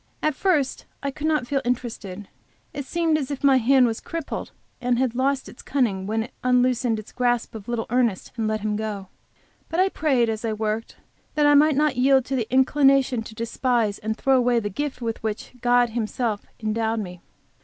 At first I could not feel interested. It seemed as if my hand was crippled and lost its cunning when it unloosed its grasp of little Ernest, and let him go. But I prayed, as I worked, that I might not yield to the inclination to despise and throw away the gift with which God has Himself endowed me.